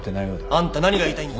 あんた何が言いたいんだ？